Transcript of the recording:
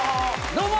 どうも！